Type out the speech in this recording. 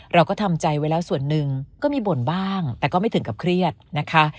เราก็ทำใจไว้แล้วส่วนหนึ่งก็มีบ่นบ้างแต่ก็ไม่ถึงกับเครียดนะคะ